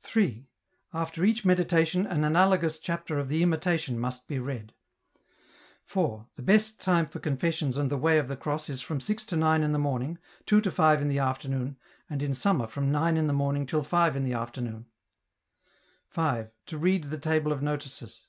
3. After each meditation an analogous chapter of the Imitation must be read. 4. The best time for confessions and the Way of the Cross is from 6 — 9 in the morning, 2 — 5 in the afternoon, and in summer from 9 in the morning till $ in the afternoon. 5. To read the table of notices.